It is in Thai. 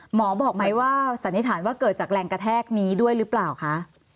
หมอบอกไหมว่าสันนิษฐานว่าเกิดจากแรงกระแทกนี้ด้วยหรือเปล่าคะ